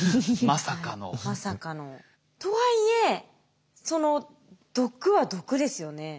まさかの。とはいえその毒は毒ですよね。